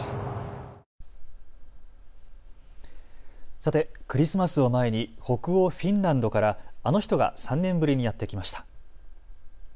さて、クリスマスを前に北欧フィンランドからあの人が３年ぶりにやって来ました。